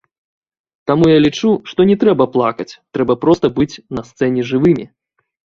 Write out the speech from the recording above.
Таму я лічу, што не трэба плакаць, трэба проста быць на сцэне жывымі.